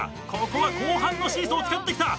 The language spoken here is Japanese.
ここは後半のシーソーを使ってきた。